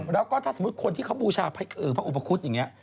แล้วก็ถ้าสมมุติคนที่เขาบูชาพระอุปคุฎอย่างนี้